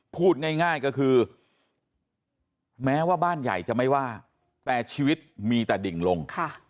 พูดง่ายก็คือแม้ว่าบ้านใหญ่จะไม่ว่าแต่ชีวิตมีแต่ดิ่งลง